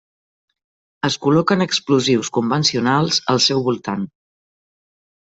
Es col·loquen explosius convencionals al seu al voltant.